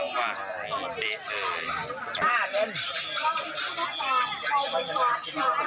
ประเทศไทยมีกี่จังหวัดถึงมาถึงมาไก่ใจ